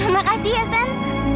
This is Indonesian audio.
makasih ya san